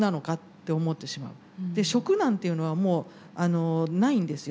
食なんていうのはもうないんですよ。